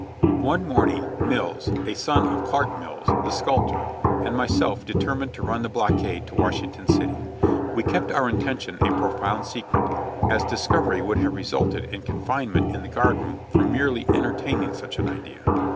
3 34 JOHNNY REB AND BILLY YANK One morning Mills, a son of Clark Mills, the sculptor, and my self determined to run the blockade to Washington City. We kept our intention a profound secret, as discovery would have resulted in confinement in the guard room for merely entertaining such an idea.